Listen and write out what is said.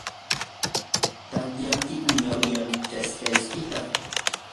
¿tantyankiyku ñawinchashqaykita?